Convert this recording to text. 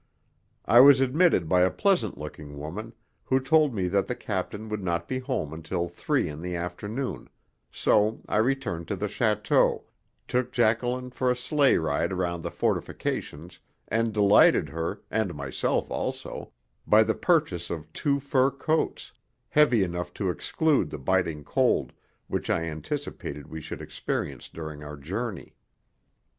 I was admitted by a pleasant looking woman who told me that the captain would not be home until three in the afternoon, so I returned to the château, took Jacqueline for a sleigh ride round the fortifications, and delighted her, and myself also, by the purchase of two fur coats, heavy enough to exclude the biting cold which I anticipated we should experience during our journey.